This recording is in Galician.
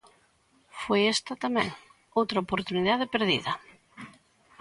Foi esta, tamén, outra oportunidade perdida.